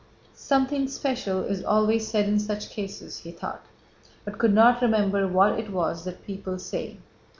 "Something special is always said in such cases," he thought, but could not remember what it was that people say.